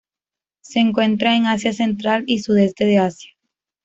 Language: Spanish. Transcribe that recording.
Se encuentra en Asia central y sudeste de Asia.